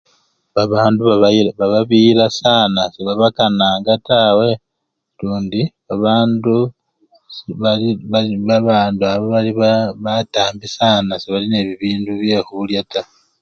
Babandu baba-bababiyila saana sebabakananga tawe lundi babandu si-bali babandu abo ba batambi saana sebali nebibindu byekhulya taa.